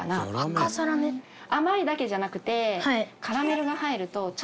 甘いだけじゃなくて。